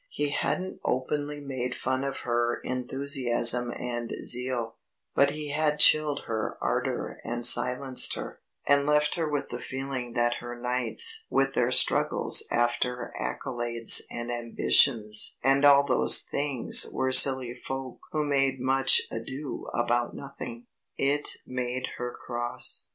He hadn't openly made fun of her enthusiasm and zeal, but he had chilled her ardour and silenced her, and left her with the feeling that her knights with their struggles after accolades and ambitions and all those things were silly folk who made much ado about nothing. It made her cross.